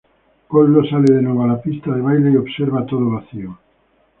Koldo sale de nuevo a la pista de baile y observa todo vacío.